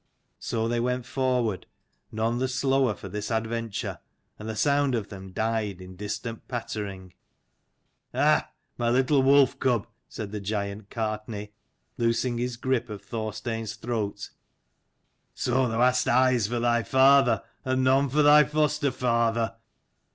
So they went forward, none the slower for this adventure: and the sound of them died in distant pattering. "Ha, my little wolf cub," said the giant Gartnaidh, loosing his grip of Thorstein's throat: "so thou hast eyes for thy father, and none for thy foster father.